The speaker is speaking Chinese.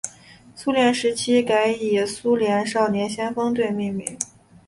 苏联时期改以苏联少年先锋队命名。